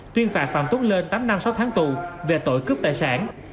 tuyên phạt phạm tuấn lên tám năm sáu tháng tù về tội cướp tài sản